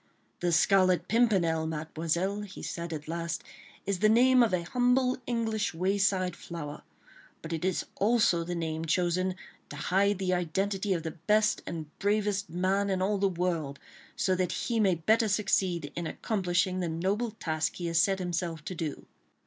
"The Scarlet Pimpernel, Mademoiselle," he said at last, "is the name of a humble English wayside flower; but it is also the name chosen to hide the identity of the best and bravest man in all the world, so that he may better succeed in accomplishing the noble task he has set himself to do."